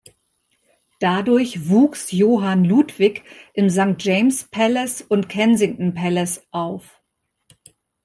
Dadurch wuchs Johann Ludwig im St James’s Palace und Kensington Palace auf.